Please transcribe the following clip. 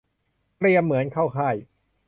เตรียมเหมือนเข้าค่าย